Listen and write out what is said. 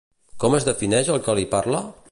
Com es defineix el qui li parla?